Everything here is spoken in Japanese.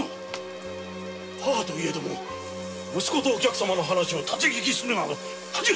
母といえども息子とお客様の話を立ち聞きするなど。